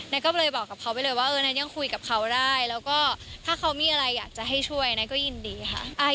ก็เลยบอกกับเขาไปเลยว่าเออนั้นยังคุยกับเขาได้แล้วก็ถ้าเขามีอะไรอยากจะให้ช่วยนั้นก็ยินดีค่ะ